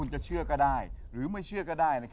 จะเชื่อก็ได้หรือไม่เชื่อก็ได้